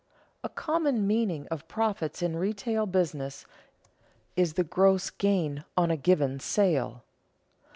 _A common meaning of profits in retail business is the gross gain on a given sale.